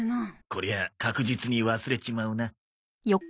こりゃあ確実に忘れちまうな。